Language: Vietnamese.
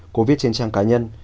cô viết trên trang cá nhân